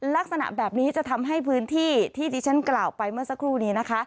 ลักษณะแบบนี้จะทำให้พื้นที่ที่ดิฉันกล่าวไปเมื่อสักครู่นี้นะคะ